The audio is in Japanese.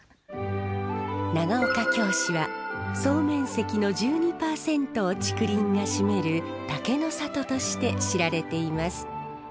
長岡京市は総面積の１２％を竹林が占める竹の里として知られています。